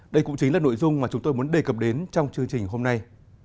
đây cũng chính là nội dung mà chúng tôi muốn đề cập đến trong chương trình hôm nay